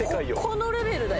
このレベルだよ。